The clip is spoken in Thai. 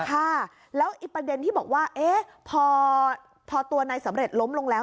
ค่ะแล้วอีกประเด็นที่บอกว่าเอ๊ะพอตัวนายสำเร็จล้มลงแล้ว